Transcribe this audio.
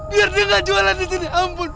biar dia gak jualan disini ampun